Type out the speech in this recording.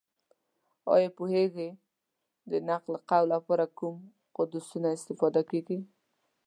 ایا پوهېږې! د نقل قول لپاره کوم قوسونه استفاده کېږي؟